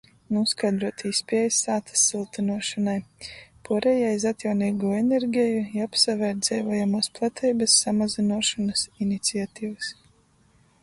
Nūskaidruot īspiejis sātys syltynuošonai, puorejai iz atjauneigū energeju, i apsvērt dzeivojamuos plateibys samazynuošonys iniciativys.